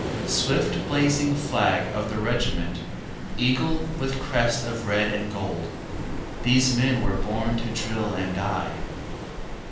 Swift blazing flag of the regiment, Eagle with crest of red and gold, These men were born to drill and die.